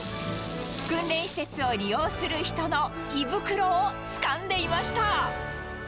訓練施設を利用する人の胃袋をつかんでいました。